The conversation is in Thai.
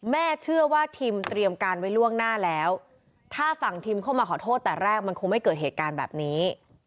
เชื่อว่าทิมเตรียมการไว้ล่วงหน้าแล้วถ้าฝั่งทิมเข้ามาขอโทษแต่แรกมันคงไม่เกิดเหตุการณ์แบบนี้